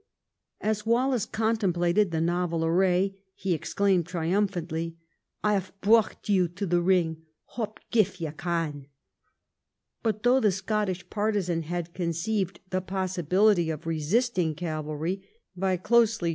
As Wallace contemplated the novel array, he ex claimed triumphantly, " I half brocht you to the ring, hop gif ye can." But though the Scottish partisan had conceived the possibility of resisting cavalry by closely 208 EDWARD I chap.